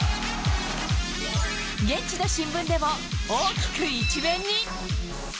現地の新聞でも、大きく１面に。